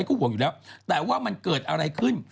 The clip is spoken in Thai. ก็ห่วงอยู่แล้วแต่ว่ามันเกิดอะไรขึ้น